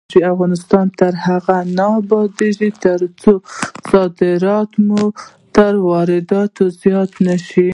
افغانستان تر هغو نه ابادیږي، ترڅو صادرات مو تر وارداتو زیات نشي.